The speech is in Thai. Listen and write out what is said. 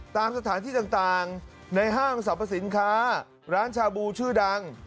ตามสถานที่ต่างในห้างสรรพสินค้าร้านชาบูชื่อดัง